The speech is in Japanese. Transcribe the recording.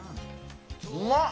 うまっ！